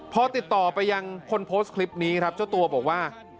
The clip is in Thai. พอติดต่อไปยังคนโพสต์คลิปนี้ครับเจ้าตัวบอกว่า